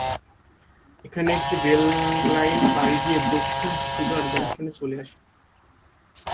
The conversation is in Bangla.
এখানে একটি রেললাইন পাড়ি দিয়ে দক্ষিণে সুগার জংশনে চলে আসে।